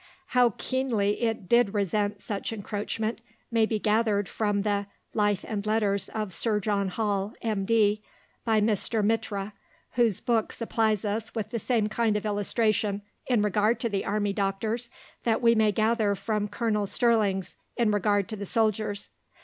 How keenly it did resent such encroachment may be gathered from the Life and Letters of Sir John Hall, M.D., by Mr. Mitra, whose book supplies us with the same kind of illustration in regard to the army doctors that we may gather from Colonel Sterling's in regard to the soldiers.